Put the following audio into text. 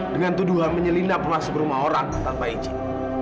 dengan tuduhan menyelinap masuk rumah orang tanpa izin